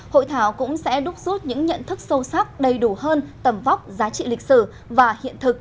hội thảo cũng sẽ đúc rút những nhận thức sâu sắc đầy đủ hơn tầm vóc giá trị lịch sử và hiện thực